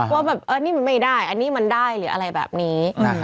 ว่าแบบอันนี้มันไม่ได้อันนี้มันได้หรืออะไรแบบนี้